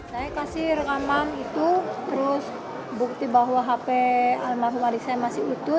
saya kasih rekaman itu terus bukti bahwa hp almarhum adik saya masih utuh